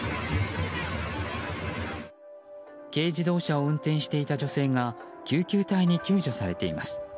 軽自動車を運転していた女性が救急隊に救助されています。